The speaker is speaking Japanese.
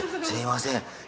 すみません。